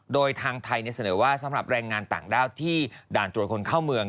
โดยทางไทยเสนอว่าสำหรับแรงงานต่างด้าวที่ด่านตรวจคนเข้าเมือง